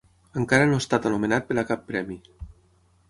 Encara no ha estat anomenat per a cap Premi.